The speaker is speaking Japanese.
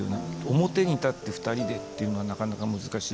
表に立って二人でっていうのはなかなか難しい。